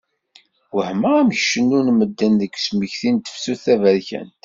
Wehmeɣ amek cennun medden deg usmekti n tefsut taberkant!